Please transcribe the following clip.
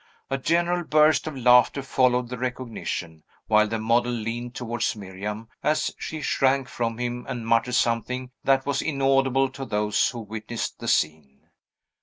A general burst of laughter followed the recognition; while the model leaned towards Miriam, as she shrank from him, and muttered something that was inaudible to those who witnessed the scene.